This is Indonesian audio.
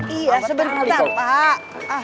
iya sebentar pak